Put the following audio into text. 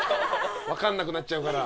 わかんなくなっちゃうから。